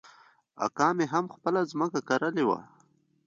اکا مې هم خپله ځمکه کرلې وه.